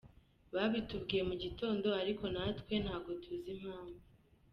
Babitubwiye mu gitondo ariko natwe ntabwo tuzi impamvu.